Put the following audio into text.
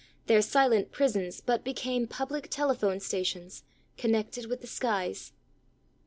Their silent prisons but become public telephone stations, con nected with the skies.